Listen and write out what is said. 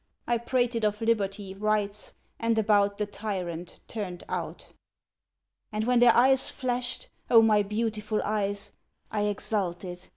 I prated of liberty, rights, and about The tyrant turned out. And when their eyes flashed ... O my beautiful eyes! ... I exulted!